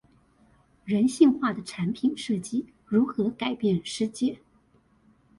人性化的產品設計如何改變世界